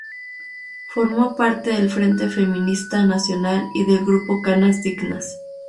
Formó parte del Frente Feminista Nacional y del grupo Canas Dignas.